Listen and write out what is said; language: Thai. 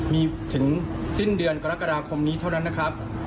มีถึงสิ้นเดือนกรกฎาคมนี้เท่านั้นนะครับ